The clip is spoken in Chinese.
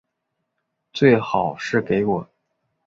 最好是给我